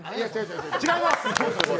違います。